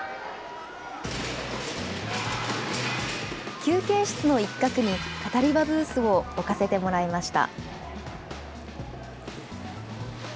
休憩室の一角に、カタリバブースを置かせてもらいました。